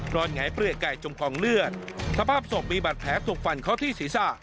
นอนหงายเปลือกใกล้จมคลองเลือดสภาพศพมีบัตรแผลกถูกฝั่นเขาที่ศีรษะ